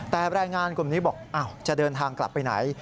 แต่แรงงานกลุ่มนี้บอกจะเดินทางกลับไปไหน